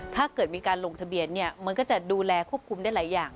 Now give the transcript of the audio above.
ถ้าเกิดมีการลงทะเบียนเนี่ยมันก็จะดูแลควบคุมได้หลายอย่าง